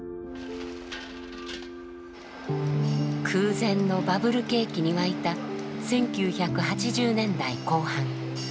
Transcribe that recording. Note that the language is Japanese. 空前のバブル景気に沸いた１９８０年代後半。